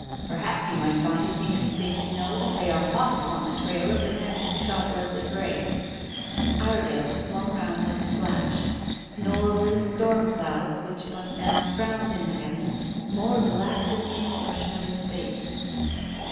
"Perhaps you might find it interesting to know that they are hot upon the trail of the man who shot Leslie Grey." Iredale swung round like a flash. Nor were the storm clouds which but now frowned in the heavens more black than the expression of his face.